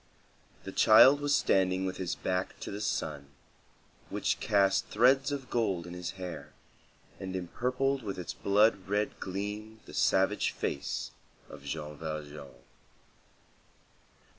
The child was standing with his back to the sun, which cast threads of gold in his hair and empurpled with its blood red gleam the savage face of Jean Valjean.